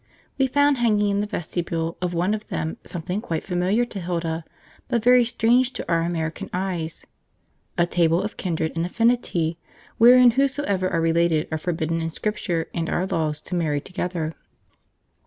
We found hanging in the vestibule of one of them something quite familiar to Hilda, but very strange to our American eyes: 'A Table of Kindred and Affinity, wherein whosoever are related are forbidden in Scripture and our Laws to Marry Together.'